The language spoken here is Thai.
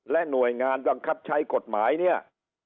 หน่วยงานบังคับใช้กฎหมายเนี่ย